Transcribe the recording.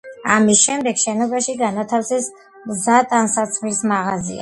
ამის შემდეგ შენობაში განათავსეს მზა ტანსაცმლის მაღაზია.